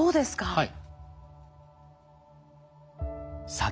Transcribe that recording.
はい。